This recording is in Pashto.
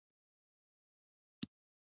په هر ولایت کې سیلو پکار ده.